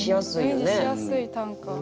イメージしやすい短歌。